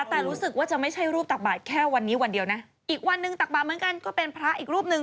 แต่รู้สึกว่าจะไม่ใช่รูปตักบาทแค่วันนี้วันเดียวนะอีกวันหนึ่งตักบาทเหมือนกันก็เป็นพระอีกรูปหนึ่ง